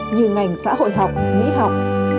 như ngành xã hội học mỹ học